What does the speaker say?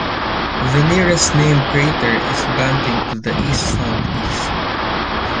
The nearest named crater is Banting to the east-southeast.